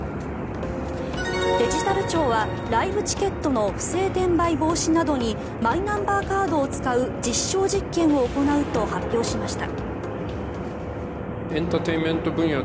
デジタル庁はライブチケットの不正転売防止などにマイナンバーカードを使う実証実験を行うと発表しました。